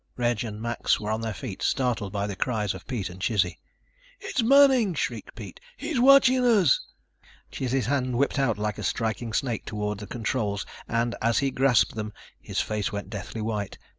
Reg and Max were on their feet, startled by the cries of Pete and Chizzy. "It's Manning!" shrieked Pete. "He's watching us!" Chizzy's hand whipped out like a striking snake toward the controls and, as he grasped them, his face went deathly white.